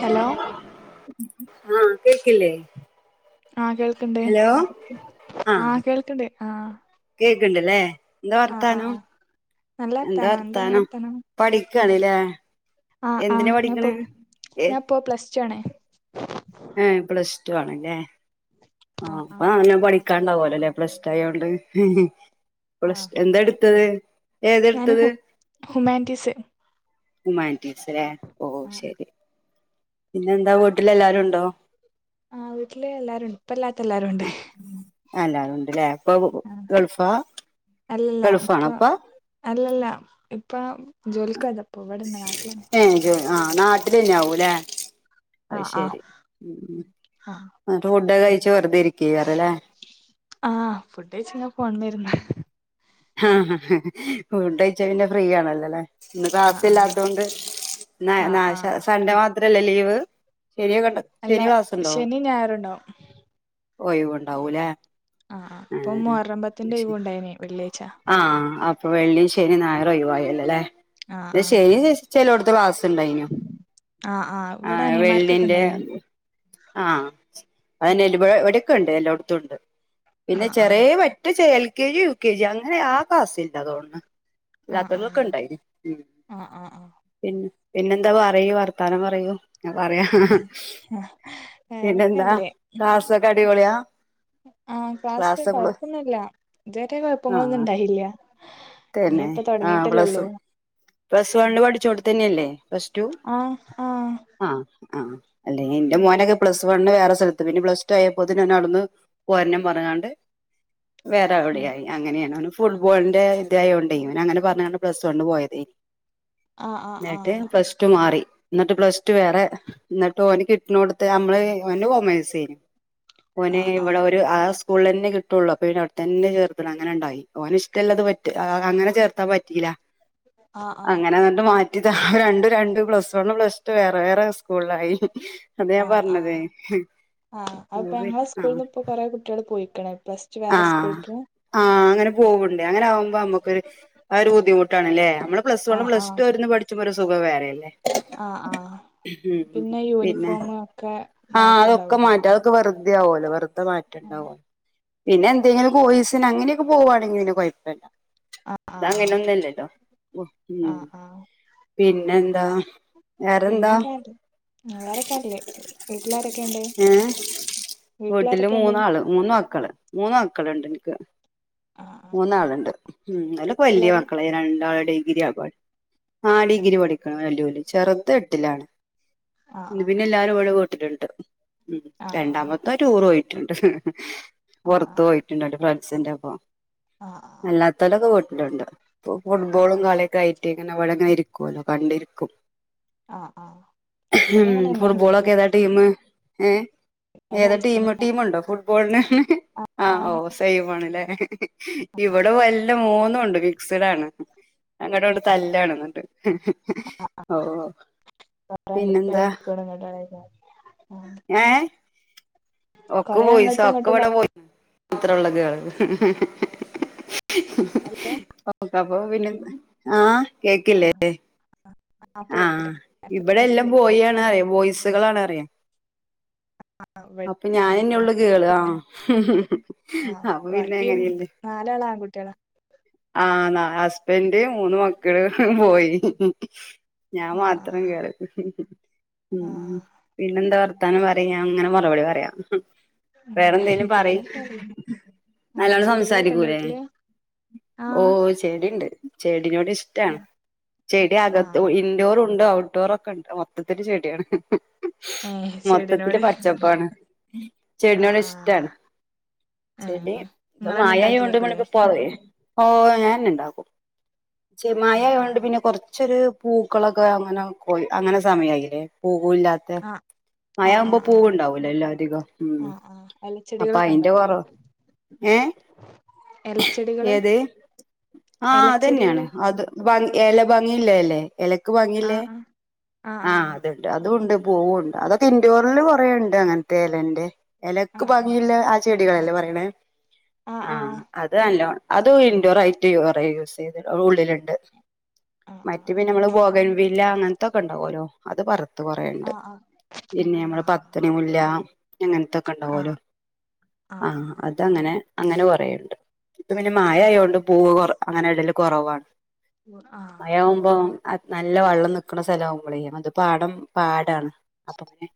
Hello ആഹ് കേക്കില്ലേ ആഹ് കേൾക്ക്ണ്ട് ഹലോ ആഹ് കേൾക്ക്ണ്ട് ആഹ് കേക്ക്ണ്ട്ല്ലേ എന്താ വർത്താനം നല്ലർത്താനം എന്തിങ്ങളെ വർത്താനം പഠിക്കാണ്ല്ലേ ആഹ് എന്തിനാ ആഹ് ഞാ ഇപ്പൊ പഠിക്കണേ ഏ ഞാൻപ്പോ പ്ലസ് ടു ആണേ ഏഹ് പ്ലസ് ടു ആണല്ലേ ആഹ് അപ്പ നല്ലം പഠിക്ക് ക്കാണ്ടാവോലല്ലേ പ്ലസ്റ്റായോണ്ട് പ്ലസ് ആഹ് ട് എന്താ നല്ല എടുത്തത് ഞാന് ഏതെടുത്തത് ഹു ഹുമാനിറ്റീസ് ഹുമാൻറ്റീസ്ലേ ഓ ആഹ് ശരി പിന്നെ എന്താ വീട്ടിലെല്ലാരുണ്ടോ ആഹ് വീട്ടില് എല്ലാരുണ്ട് ഉപ്പല്ലാത്ത എല്ലാരുണ്ട് അല്ലാരുണ്ട്ല്ലേ ഉപ്പ ഗൾഫാ അല്ലല്ല ഗൾഫാണാ ഉപ്പ ഉപ്പ ജോലിക്കോയതാ ഉപ്പിവിടന്നാ നാട്ടിലന്നെ ഏഹ് ജോ ആഹ് നാട്ടിലന്നെയാവൂല്ലേ അത് ആഹ് ശരി ഉം ആഹ് ഫുഡൊക്കെ കഴിച്ച് വെറുതിരിക്കേക്കാറല്ലേ ആഹ് ഫുഡ് കഴിച്ചിങ്ങന ഫോണുമ്മെയിരുന്ന് ആഹ് ഫുഡഴിച്ച പിന്നെ ഫ്രീ ആണല്ലോല്ലേ ഇന്ന് ആഹ് ആഹ് ക്ലാസില്ലാത്തകൊണ്ട് നാ ആഹ് നാശാ ആഹ് സൺഡേ മാത്രല്ലേ ലീവ് ശനിയെകണ്ട് അല്ല ശനിയെ ക്ലാസ്ണ്ടോ ശനിം ഞായറും ഉണ്ടാവും ഒയിവ്ണ്ടാവൂലേ ആഹ് ആഹ് ഇപ്പം മൊഹർറം പത്തിന്റെ ഒയിവൂണ്ടായിനീ ആഹ് അപ്പൊ വെള്ളിം ശനിം ഞായറൊയിവായല്ലോല്ലേ ആഹ് ഇന്ന് ആഹ് ശനി ജെസ് ചെലോടത്ത് ക്ലാസ്ണ്ടായിന്യു ആഹ് ഇവിടെ ആഹ് അനിയന്മാർക്കൊക്കെ വെള്ളിൻ്റെ ഉണ്ടായിനി ആഹ് അയന്നെ ആഹ് ലിവഴ് ഇവിടെക്കണ്ട് എല്ലോട് തുണ്ട് പിന്നെ ആഹ് ആഹ് ചെറിയേ പറ്റെ ചെ L K G U K G അങ്ങനെ ആ ക്ലാസ്സില്ലാ തോണ്ണ് ആഹ് ല്ലാത്തങ്ങളൊക്കെ ആഹ് ഇണ്ടായി ഉം ആഹ് ആഹ് പിന്ന് പിന്നെന്താ പറയൂ വർത്താനം പറയൂ ഞാ പറയാ ആഹ് ആഹ് പിന്നെന്താ വേറെക്കല്ലേ ക്ലാസ്സൊക്കെ അടിപൊളിയാ ആഹ് ക്ലാസില് ക്ലാസ്സൊക്കെ കൊഴപ്പൊന്നുല്ല ഇതുവരെ കൊഴപ്പങ്ങളൊന്നും ഇണ്ടായില്ല്യ തെന്നെ ആഹ് പ്ലസു പ്ലസ് വണ്ണ് പഠിച്ചോടത്തന്നെയല്ലേ പ്ലസ് ടു ആഹ് ആഹ് ആഹ് ആഹ് അല്ലേ എന്റ ഉം മോനൊക്കെ പ്ലസ് വണ്ണ് വേറെ സലത്ത് പിന്നെ പ്ലസ് ടു ആയപ്പോത്തിനു അവനവിടന്ന് പോരണം പറഞ്ഞ്ണ്ട് വേറെ എവിടെയായി അങ്ങനേണവന് ഫുട്ബോളിന്റെ ൻ്റായോണ്ടെ ഇവനങ്ങനെ പറഞ്ഞ്ങ്ങാണ്ട് പ്ലസ് വണ്ണ് പോയതേ ആഹ് ആഹ് ന്നട്ട് ആഹ് പ്ലസ് ടു മാറി എന്നട്ട് പ്ലസ് ടു വേറെ എന്നട്ട് ഓന് കിട്ട്ണോടത്ത് അമ്മള് ഓന് കോമേഴ്സെയ്നി ഓന് ആഹ് ഇവടെ ആഹ് ഒരു ആ സ് കൂള്ളന്നെ കിട്ടൊള്ളൂ അപ്പ പിന്നെ അവടെതന്നെ ചേർത്തണങ്ങനെണ്ടായി ഓനിഷ്ടള്ളത് പറ്റ് റ്റ് ആ അങ്ങനെ ചേർത്താൻ പറ്റീല ആഹ് ആഹ് അങ്ങനാണ്ട് മാറ്റ് റ്റിതാ രണ്ടു രണ്ട് പ്ലസ് വണ്ണ് പ്ലസ് ടു വേറെ വേറെ സ്കൂളിലായി അത ആഹ് ഞാമ്പറഞ്ഞതേ ആഹ് ആഹ് അപ്പൊ [unintelligible] ഞങ്ങളെ ആഹ് സ്റ്റു വേറെ സ്കൂൾക്കാ ആഹ് അങ്ങനെ പോവുണ്ട് അങ്ങനാവുമ്പോ അമുക്കൊരു ആ ഒരു ബുദ്ധിമുട്ടാണ്ല്ലേ അമ്മള് പ്ലസ് വണ്ണും ആഹ് പ്ലസ് ആഹ് ടു ഒര് ന്ന് പഠിച്ചുമ്പോ ഒര് സുഖം വേറെല്ലേ? ആഹ് ആഹ് ഹ് മ് മ് പിന്നെ പിന്നെ യൂണിഫോമ് ഒക്കെ ആ അതൊക്കെ മാറ്റണ്ടാവല്ലോ മാറ്റാ അതൊക്കെ വെറു അദ്യയാവല്ലോ വെറ്തെ ആഹ് മാറ്റണ്ടാവോ. പിന്നെ എന്തെങ്കിലും കോയ്സ്ന് അങ്ങനക്കെ പോവാണെങ്കിൽ പിന്നെ കൊയപ്പല്ല്യ. ആഹ് ആഹ് അതങ്ങനൊന്നുല്ലടലോ ഒ ഉം പിന്നെന്താ. വേറെന്താ പിന്നൊക്ക നല്ല വേറൊക്കല്ലേ വീട്ടിലാരെക്കേണ്ട് ഏ വീട്ടില് മൂന്നാള് മൂന്ന് മക്കള് മൂ മക്കള്ണ്ട് ഇൻക്ക് ആഹ് ആഹ് മൂന്നാളുണ്ട് മ് ഓലെക്കെ വല്യ വീട്ടിലെല്ലാരും മക്കളായിണ് രണ്ടാള് ഡിഗ്രി ആ പട് ആ ഉം ഡിഗ്രി പഠിക്ക്ണ് വല്യോന് ചെറ്ത് എട്ടിലാണ്. മ് ആഹ് പിന്നെ എല്ലാരു ഇവ്ടെ വീട്ടില്ണ്ട് മ് ആഹ് രണ്ടാമത്തൊന് ടൂറോയി. ണ്ട് ആഹ് പുറത്ത് പൊയിട്ട്ണ്ട് ഓന്റെ ഫ്രണ്സിന്റൊപ്പം. ആഹ് ആഹ് ആഹ് അല്ലാത്തരൊക്കെ വീട്ടിൽണ്ട് ആഹ് ഫുട്ബോളും ആഹ് കളിയൊക്കെ ആയിട്ട് പിന്ന ഇവടങ്ങനെ ഇരിക്കല്ലോ കണ്ടിരിക്കും. ആഹ് ആഹ് ഇവിടെ ഹം അങ്ങനെ തന്നെ ഫുട്ബോളൊക്കെ എല്ലാരും ഏതാ ടീമ് ഏ. ഞാനും ഏത അർജന്റീന ടീമ് ടീമ്ണ്ട ഫുട്ബോളിന് ഓ ആഹ് അ ഇവിടെ വല്ല മൂന്നുണ്ട് ഫിക്സഡാണ്. അങ്ങട്ഇങ്ങടു തല്ലാണ് ഓ പിന്നെന്താ [unintelligible] ആഹ് ഏ. ഒക്ക കൊറേ വോയിസ അങ്ങോട്ടും ഇങ്ങോട്ടും ഒക്കവ്ടെ കളി വോയ് [inaudible] ത്രള്ളൂ. ഹലോ [unintelligible] ക ആ കേക്കില്ലേ ആഹ് ആഹ് ആഹ് ഇപ്പൊ ആ കേൾക്കാം ഹ് ഇവിടെ എല്ലാം ബോയാണ് ന്നറിയ ബോയ്സുകളാണറിയ. ആഹ് ഇവ അപ്പൊ ഞാനെന്നൊള്ളു ഗേൾ ആ. ആഹ ബാക്കി നാലാള ആൺകുട്ടികള ആണ ഹസ്ബന്ഡ് മൂന്ന് മക്കള് പോയി ഞാൻ ആഹ് മാത്രം കേറ ആഹ് ഉം ആഹ് പിന്നെന്താ വർ താനം പറി ഞാങ്ങനെ മറുപടി പറയാ ഹ്ഹ് വേറെന്തെലും ആഹ് പറി പിന്നൊക്കെ അറിയും ആഹ് നല്ലോണം ചെടികളൊക്കെ ഉണ്ടോ സംസാരിക്കൂലേ വീട്ടില് ഓ ആഹ് ചെടിണ്ട് ചെടിനോട് ഇഷ്ട്ടാണ് ചെടി അകത്ത് ആഹ് ഇൻഡോറുണ്ട് ഔ [unintelligible] ണ്ട് മൊത്തത്തില് ചെടിയാണ് ഏഹ് മൊത്തത്തില് ചെടിനോട് പച്ചപ്പാണ് ആഹ് ചെടിനോട്‌ ഇഷ്ട്ടാണ്. ആഹ് ഏഹ് ചെടി ഇപ്പ നിങ്ങളന്നെ മഴയായൊണ്ട് ഉണ്ടാക്കലേക്കൂലേ മ്മൾക്ക് പൊ. ഓ ഞാന്ണ്ടാകും ച് ആഹ് മയായൊണ്ട് ആഹ് പിന്നെ കൊറച്ചൊര്. പൂക്കളൊക്കെ അങ്ങനെ കൊയ് അങ്ങനെ സമയായിലെ പുവുല്ലാത്തെ. ആഹ് മയാവുമ്പോ ആഹ് ആഹ് ആഹ് പൂവുണ്ടാവൂലല്ലോ അധികം ഉം ആഹ് ആഹ് അപ്പ എലച്ചെടികളൊക്കെ അയിന്റെ ഉണ്ടോ കൊറവ്. ഏ. എലച്ചെടികള് ഏത് ആ അതെന്നേണ് എലച്ചെടികള് അത് വൽ. എല ഭംഗിള്ളല്ലേ എലക്ക് ഭംഗിള്ളെ ആഹ് ആഹ് ആ ആഹ് അത് ണ്ട് അതുണ്ട്. പൂവ [unintelligible] അതക്കെ ഇൻറ്റോറിൽ കൊറേണ്ട് അങ്ങന് തേ എലന്റെ. എലക്ക് ആഹ് ഭംഗിള്ളെ ആ ചെടികളല്ലേ പറിണെ ആഹ് ആ ആഹ് അത് നല്ലാണ്. അതു ഇൻഡോറായിട്ട് യു കൊറേ യൂസൈദ് അത് ഉള്ളിൽണ്ട് ആഹ് മറ്റ്‌. ആഹ് ബോകൻവില്ല അങ്ങൻത്തൊക്കെ ഇണ്ടാവും ഓരോ അത് പ. ത്ത് കൊറേണ്ട് ആഹ് ആഹ് പിന്നെ നമ്മളെ ആഹ് പത്തണിമുല്ല. അങ്ങനത്തൊക്കെ ആഹ് ഉണ്ടാവലൊ ആഹ് ആഹ് അത് അങ്ങനെ അങ്ങനെ കൊറേണ്ട്. ഇപ്പ പിന്നെ ആഹ് മയായോണ്ട് പൂവ് കൊറ ഹ് അങ്ങനെ ഇടൽ കൊറവാണ്. ഉം ആഹ്. അത്‌ നല്ല വള്ളം നിക്ക്ണ സ്ഥലാവുമ്പളെ ഞങ്ങള്ത് പാടം പാടാണ്. അപ്പ അങ്ങനെ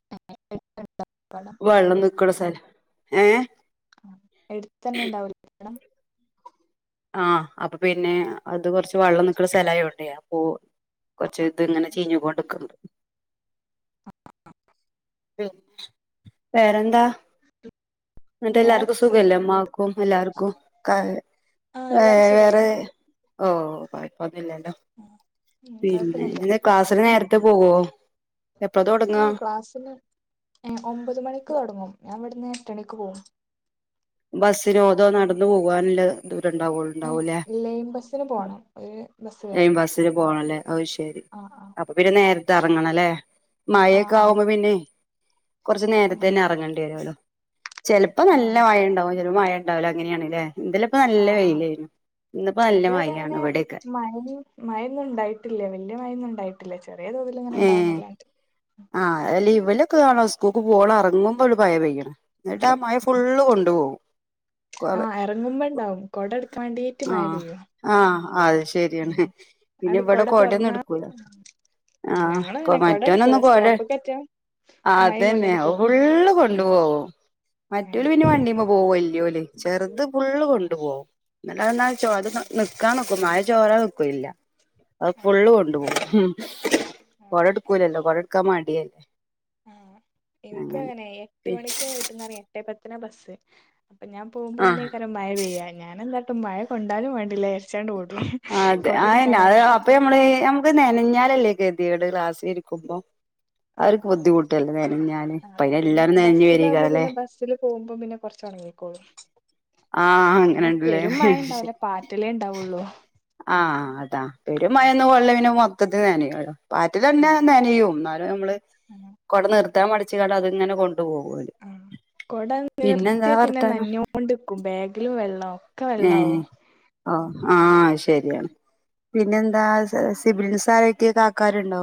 പടം വള്ളം ന്ന്ക്ക്ണ സ്ഥലാ ഏ. ആ എടുത്തന്നെ ഉണ്ടാവുലെ. [unintelligible] ആഹ അപ്പൊ പിന്നെ അത് കൊറച്ച് വെള്ളം നിക്കുന്ന സ്ഥല കൊറച്ച ഇത് ഇങ്ങനെ ചീഞ്ഞു കൊണ്ടക്കണ്ട് [unintelligible] വേറെന്താ എന്നിട്ട് എല്ലാർക്കും വേറെക്കെല്ലേ സുഖല്ലേ അമ്മാക്കും എല്ലാവർക്കും ക ആഹ് എല്ലാരും വേറെ സുഖന്നെ ഓ കുഴപ്പൊന്നില്ലല്ലോ ഉം കൊഴപ്പൊന്നുല്ല പിന്നെ ക്ലാസ്സില് നേരത്തെ പോവുവോ ആഹ ക്ലാസില് ഏ ഒമ്പത് മണിക്ക് തുടങ്ങും ഞാൻ ഇവിടുന്ന് എട്ടണിക്ക് പോവും ബസ്സിലോ അതോ നടന്ന് പോകാനുള്ള ഏഹ് ദൂരംണ്ടാവുള്ളുണ്ടാവൂല്ലേ ലൈൻ ബസ്സിന് പോണം ഒരു ബസ്സ് കേറണം ബസ്സിന് പോണല്ലേ ഓ ശെരി ആഹ് അപ്പൊ പിന്നെ നേരത്തെ എറങ്ങണം ല്ലേ ആഹ് ആഹ് ആഹ് മയക്കയാവുമ്പം പിന്നെ കൊറച്ച് ഉം നേരത്തെന്നെ എറങ്ങണ്ടി വരുവോല്ലോ ചിലപ്പോ നല്ല ആഹ് മഴ ഇണ്ടാവും ചിലപ്പോ മഴ ഉണ്ടാവില്ല അങ്ങനെയാണല്ലേ ഇന്നലെ ഇപ്പ നല്ല ആഹ് ആഹ് വെയിലായിരുന്നു ഇന്നിപ്പോ നല്ല മഴ ആണ് ഇവിടോക്കെ മഴയോന്നും ഉണ്ടായിട്ടില്ല വലിയ മഴയോന്നും ഉണ്ടായിട്ടില്ല ചെറിയ തോതിൽ ഇങ്ങനെ ഏഹ് ഉണ്ടാവുന്നല്ലാണ്ട് കാണാ സ്കൂക്ക് പോകാൻ ഇറങ്ങുമ്പോ ഒരു മഴ പെയ്യണ് എന്നിട്ട് ആ മഴ ഫുളള്കൊണ്ട്പോകും ആഹ് എറങ്ങുമ്പോ ഇണ്ടാവും കൊട എടുക്കാൻ വേണ്ടിട്ട് മഴ പെയ്യും ആഹ അത ശരിയാണ് ഉം പിന്നെ ആണ്ട് ഇവിടെ കൊട കൊടയൊന്നും തൊറന്നാ എടുക്കൂല ആഹ് ആഹ ഞങ്ങളും കൊ അങ്ങനെ കൊട മറ്റെവന് ഒന്നു എടുക്കൂല കോട് സ്റ്റോപ്പ്ക്ക് എത്തിയാ മഴയും അതന്നെ കൊണ്ടാണ്ട് പോവും ഫുള്ള് കൊണ്ടു പോവും മറ്റോല് പിന്നെ ഏഹ് വണ്ടിമെ പോകും വല്ല്യോല് ചെറുത് പുള്ള് ആഹ് കൊണ്ട് പോവും എന്നാലത് ന ആഹ് ചോത് നിക്കാൻ നോക്കും മയ ചോരാൻ നിക്കോം ഇല്ല അത് ഫുള്ള് ആഹ് കൊണ്ട് പോകും ആഹ് കൊട എടുക്കൂലല്ലോ കൊട എടുക്കാൻ മടിയല്ലേ ആഹ എനിക്കും അങ്ങനെ അങ്ങനാ എട്ട് മണിക്ക് വീട്ടിന്നിറങ്ങിയ എട്ടേ പത്തിന ബസ് അപ്പൊ ഞാൻ ആഹ് പോക്പോന്നെക്ക മഴ പെയ്യാ ഞാനെന്താട്ടും മഴ കൊണ്ടാലും വേണ്ടില്ല ഇരച്ചാണ്ട്ട്ടും ആ അതെ അതന്നെ അത് അപ്പൊ നമ്മള് നമുക്ക് നെനഞ്ഞാലല്ലേ [unintelligible] ഗതികേട് ക്ലാസി ഇരിക്കുമ്പോ ആഹ് അവർക്ക് ആഹ് ബുദ്ധിമുട്ടല്ലേ നെനഞ്ഞാല് ആഹ് ഇപ്പ എല്ലാരും നനഞ്ഞു വരിയാ [unintelligible] പോകുമ്പോം പിന്നെ കുറച്ചുണങ്ങിക്കോളും ആഹ് പിന്നെ അങ്ങനെണ്ട്ല്ലേ പെരുമഴ ഇണ്ടാവില്ല പാറ്റലേ ഉണ്ടാവുള്ളു ആഹ അതാ പെരു മയയൊന്നും കൊള്ളവിനും മൊത്തത്തിൽ നനയുല്ലോ പാറ്റാല് നനഞ്ഞ തന്നെ നനയും എന്നാലും നമ്മള് കൊട നിവർത്താൻ മടിച്ച്ങ്ങാണ്ട് അത് ഇങ്ങനെ കൊണ്ടുപോകും ഓല് കുട പിന്നെന്താ നിവർത്തിയ പിന്നെ വർത്താനം നനഞ്ഞോണ്ടിരിക്കും ബാഗിലും വെള്ളാവും ഒക്കെ വെള്ളവും ഓ ആഹ ശരി പിന്നെ എന്താ സിബിലിംഗ്സ് ആയിട്ട് കാക്കാരുണ്ടോ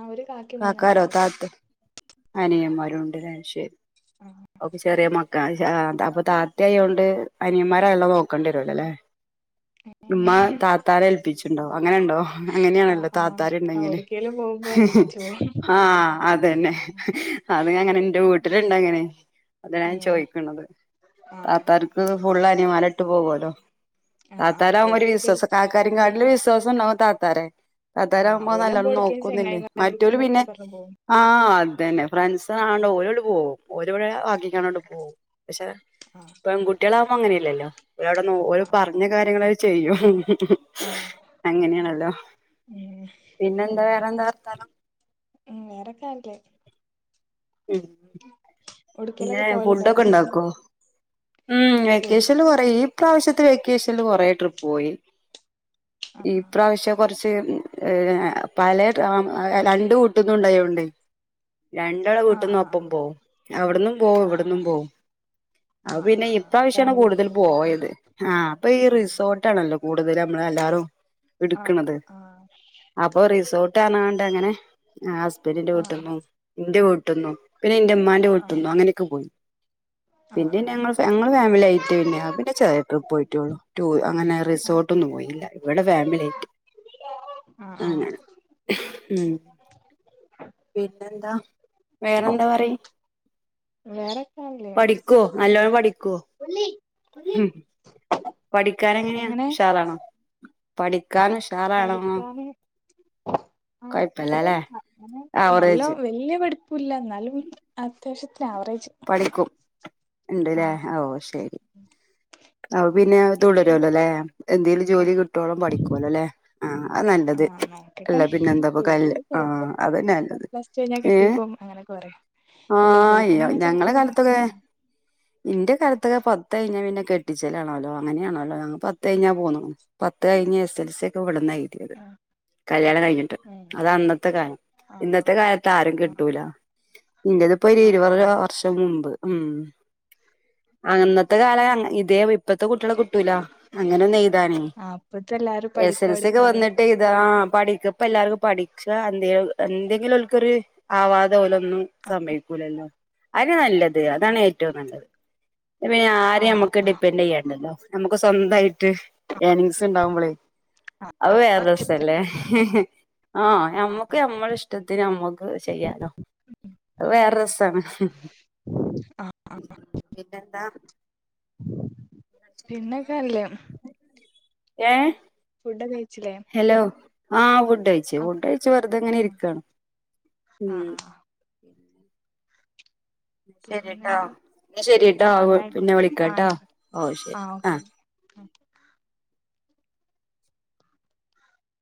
ആഹ് ഒരു കാക്കി മൂന്നനിയന്മാര് അനിയന്മാരും ഉണ്ട് ശെ ഓപ്പ ചെറിയ മക്ക അപ്പൊ ആഹ് താതയായോണ്ട് അനിയന്മാര് അയാളെ നോക്കേണ്ടി വരുല്ലല്ലേ ഉമ്മ താത്താരെ ഏൽപ്പിച്ചിണ്ടോവ അങ്ങനുണ്ടോ ആഹ് അങ്ങനെയാണല്ലോ ആഹ് താത്താരു ഉണ്ടെങ്കില് എവിടക്കേലും പോകുമ്പോ ഏൽപ്പിച്ചു പോവും ആഹ് അതന്നെ അത് അങ്ങനെ എന്റെ വീട്ടിലിണ്ട് അങ്ങനെ അതാ ഞാൻ ഏഹ് ചോയിക്കണത് ആഹ് താത്താർക്ക് ഫുൾ മാലട്ട് പോവോല്ലോ ആഹ് താത്താലയാകുമ്പം ഒരു ഓൽക്കൊടുക്കല് വിശ്വാസ കാക്കാരെ കാട്ടിലും വിസ്വസ ദിവസം ഉണ്ടാവും താത്താരെ താത്താര ആഹ് ആകുമ്പോ ഓലാവുമ്പോ നല്ലോണം എവിടക്കേലും നോക്കുന്നില്ലേ മറ്റരു പിന്നെ ചെങ്ങായിമാരെടുത്ത്ന്നൊക്കെ പറഞ്ഞ് പോവും ആഹ് അതന്നെ ഫ്രണ്ട്സാണോ ആഹ് ഓരങ്ങോട്ട് പോകവും ഓരോടെ വാക്കിക്കാണോണ്ട് പോവും പക്ഷെ ആഹ് പെൺകുട്ടികളാവുമ്പോ അങ്ങനെയല്ലല്ലോ ഓരവിടെ [unintelligible] ആഹ് പറഞ്ഞു പിന്നെ കാര്യങ്ങളൊക്കെ ചെയ്യും ആഹ് അങ്ങനെയാണല്ലോ ഉം പിന്നെന്താ വേറെ എന്താ വർത്താനം ഉം വേറെൊക്കെ [unintelligible] ഉം പിന്നേ എവിടക്കേലൊക്കെ പോവലുണ്ടോ ഫുഡൊക്കെ വെക്കേഷന് ഇണ്ടാക്കോ ഉം ഫുഡ് വെക്കേഷനിൽ കൊറെ ഈ പ്രാവശ്യത്തെ വെക്കേഷനിൽ കൊറെ ട്രിപ്പ് പോയി ഈ പ്രാവശ്യ കൊറച്ച് പലേ രണ്ടു വൂട്ടുന്നും ഉണ്ടായോണ്ടേ രണ്ടാളെ ആഹ് വീട്ടുന്നും ഒപ്പം ആഹ് പോം അവിടുന്നും പോവും ആഹ് ഇവിടുന്നും ആഹ് പോവും ഔ ആഹ് ആഹ് പിന്നെ ആഹ് ആഹ് ഇപ്രാവശ്യാണ് ഫാമിലി കൂടുതൽ ട്രിപ്പല്ലേ പോയത് ഹാ അപ്പൊ ഈ ആഹ് റിസോർട്ടാണല്ലോ കൂടുതൽ അമ്മള് എല്ലാറും ആഹ് എട്ക്ക്ണത് ആഹ് അപ്പൊ റിസൊ [unintelligible] അങ്ങനെ ഹാ ഹസ്ബൻഡിന്റെ ആഹ് വീട്ട്ന്നും ന്റെ വീട്ട്ന്നും പിന്നെ ഇന്റെ ഉമ്മാ ആഹ് ട്ട്ന്നും അങ്ങനൊക്കെ പോയി ആഹ് പിന്നെ ആഹ് ഞങ്ങൾ ഫാ ഞങ്ങള് ഫാമിലി ആയിട്ട് പിന്നെ പിന്നെ ചെറിയ ട്രിപ്പ് ആഹ് പോയിട്ടെ ഉള്ളൂ ടൂ അങ്ങനെ ആഹ് റിസോർട്ട് ഒന്നും ആഹ് പോയില്ല ഇവിടെ ഫാമിലി ആയിട്ട് ആ ആ അങ്ങനെ ഉം പിന്നെ എന്താ വേറെന്താ പറയ് വേറെക്കാണല്ലൊ പഠിക്കോ നല്ലോണം പഠിക്കോ മ്ം പഠി ക്കാനെങ്ങനെയാ എങ്ങനെ ഉഷാറാണോ പഠിക്കാന് ഇഷ് പഠിക്കാന് കൊയപ്പ ഇല്ലല്ലേ നല്ലൊ വല്യ പഠിപ്പു ഇല്ല ന്നാലും അത്യാവശ്യത്തിന് ആവറേജ് ഇണ്ട്ല്ലേ ആഹ് ഓ ശരി ഔ പിന്നെ അങ്ങനെ തുടരല്ലോ ല്ലെ എന്തേലും ജോലി ആഹ് കിട്ടോളം പഠിക്കോലല്ലെ ആ അത് നൽ നല്ലത് ആഹ് നോക്കട്ടെ അല്ലെ പിന്നെ എന്താ ഇപ്പം കല് വീട്ടില് ആ ചെലപ്പോ അതെന്നെ പ്ലസ് ടു കഴിഞ്ഞാ കെട്ടിക്കോ അങ്ങനൊക്കെ പറയും അല്ലേ ആഹ് യ്യോ വീട്ട്ന്ന് ഞങ്ങളെ കാലത്തൊക്കെ ഇന്റെ കാലത്തൊക്കെ പത്ത് കയിഞ്ഞ പിന്നെ കെട്ടിച്ചെലാണോല്ലോ അങ്ങനെയാണോല്ലേ പത്ത് കഴിഞ്ഞാ പോന്നണം പത്ത് കയിഞ്ഞ് എസ് എൽ സി ഒക്കെ വി ന്നാഎയിതിയത് ആഹ് കല്യാണം കയിഞ്ഞിട്ട് ഉം അത് അന്നത്തെ കാലം ആഹ് ഇന്നത്തെ കാലത്ത് ആരും ആഹ് ആഹ് കെട്ടൂല ഇന്റെതിപ്പൊരു ആഹ് ഇരുപത ആഹ് മുൻപ് മ്ം ആഹ് അങന്നത്തെ കാല അങ്ങനെഇ തേ ഇപ്പത്തെ കുട്ട്യാളെ കിട്ടൂലാ അങ്ങനെ ഒന്ന് എ താണെ ആഹ് ഇപ്പത്തെ എല്ലാരും എസ് പഠിക്കാ എൽ സി യൊക്കെ പഠിക്കാ പറയും വന്നിട്ട് എയ്താ ആ പഠിക്ക ഇപ്പെ എല്ലാർക്കും പഠിച്ചാ എന്തേലും എന്തെങ്കിലും ഓല്ക്കൊര് ആവാതെ ഓല് ഒന്നും സമ്മയ്ക്കൂ ലല്ലോ അയെന്നയാ നല്ലത് അതാണ് ഏറ്റും നല്ലത് പിന്നെ ആരെയും ആഹ് ഹമ്മക്ക് ആഹ് ഡിപ്പെൻഡ് ചെയ്യേണ്ടല്ലോ നമുക്കു സ്വന്തായിട്ട് സേവിങ്സ് ഇണ്ടാവുമ്പൊളേ ആഹ് അത് വേറൊ സം അല്ലേ ആവശ്യത്തിന് ഹാ ഞമ്മക്ക് ഞമ്മളെ ഇഷ്ടത്തിന് ഹമ്മക്ക് ചെയ്യാലോ അത് വേറെ രെസാണ് ആഹ് ആഹ് പിന്നെന്താ പിന്നൊക്കെല്ലേ ഏ ഫുഡൊക്കെ കഴിച്ചില്ലേ ഹലോ ആ ഫു ഫുഡെയിച്ചു. ഫുഡെയ്ച്ചു വെറുതെങ്ങനെ ആഹ് ഇരിക്കണ് ഉം ആഹ് ആഹ് ശെരിട്ടാ പിന്നെന്താ ന്നാ ശെരിട്ടോ ആഹ് എന്നാ പിന്നെ ആയിക്കോട്ടെ ആഹ് വിളിക്കട്ടാ ആയിക്കോട്ടെ ഓ ശരി ആഹ് ആ ഓക്കെ ഓക്കെ ആ